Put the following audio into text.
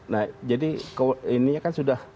nah jadi ini kan sudah